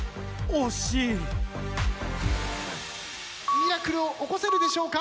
ミラクルを起こせるでしょうか。